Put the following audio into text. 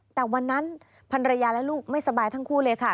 แต่วันนั้นพันรยาและลูกไม่สบายทั้งคู่เลยค่ะ